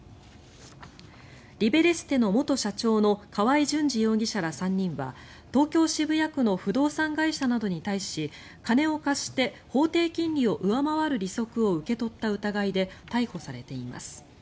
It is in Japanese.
リベレステの元社長の河合純二容疑者ら３人は東京・渋谷区の不動産会社などに対し金を貸して法定金利を上回る利息を受け取った疑いで逮捕されています。